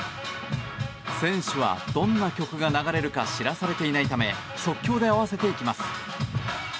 選手はどんな曲が流れるか知らされていないため即興で合わせていきます。